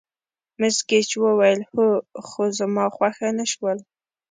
مس ګېج وویل: هو، خو زما خوښه نه شول.